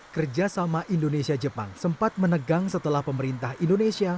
kerjasama indonesia jepang sempat menegang setelah pemerintah indonesia